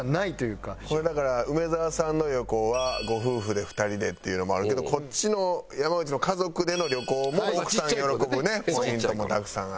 これだから梅沢さんの旅行はご夫婦で２人でっていうのもあるけどこっちの山内の家族での旅行も奥さん喜ぶポイントもたくさんある。